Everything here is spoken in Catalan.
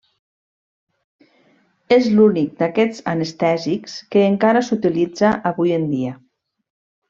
És l'únic d'aquests anestèsics que encara s'utilitza avui en dia.